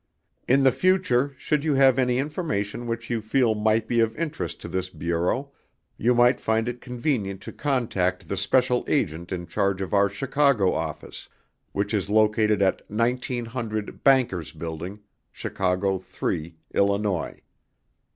In the future should you have information which you feel might be of interest to this Bureau you might find it convenient to contact the Special Agent in Charge of our Chicago Office, which is located at 1900 Bankers' Building, Chicago 3, Illinois.